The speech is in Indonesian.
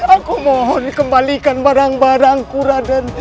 aku mohon kembalikan barang barangku raden